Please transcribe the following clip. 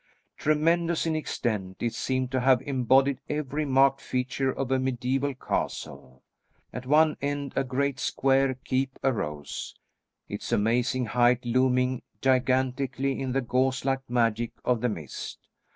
Tremendous in extent, it seemed to have embodied every marked feature of a mediæval castle. At one end a great square keep arose, its amazing height looming gigantically in the gauze like magic of the mist.